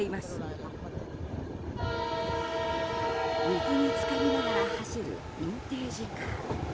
水に浸かりながら走るビンテージカー。